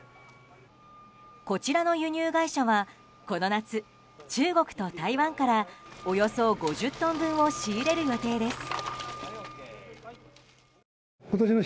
こちらの輸入会社はこの夏、中国と台湾からおよそ５０トン分を仕入れる予定です。